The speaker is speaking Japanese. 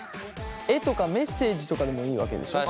絵とかメッセージとかでもいいわけでしょ。